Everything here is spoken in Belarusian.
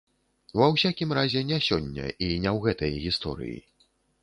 Ва ўсякім разе не сёння і не ў гэтай гісторыі.